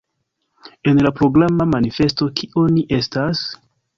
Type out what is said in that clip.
En la programa manifesto Kio ni estas?